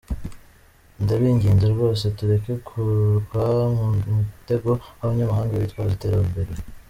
Ndabinginze rwose tureke kurwa mu mutego w’abanyamahanga bitwaza iterambere.